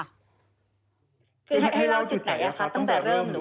คุณให้เล่าจิตไหนคะตั้งแต่เริ่ม